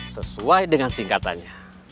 sesuai dengan singkatannya